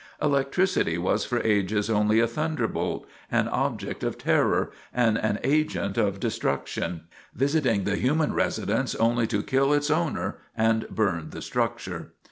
Electricity was for ages only a thunderbolt, an object of terror, and an agent of destruction, visiting the human residence only to kill its owner and burn the structure.